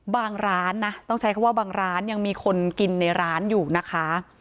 ร้านนะต้องใช้คำว่าบางร้านยังมีคนกินในร้านอยู่นะคะ